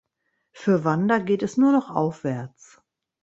Für Wanda geht es nur noch aufwärts.